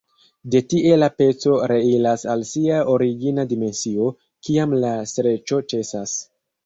De tie la peco reiras al sia origina dimensio, kiam la streĉo ĉesas.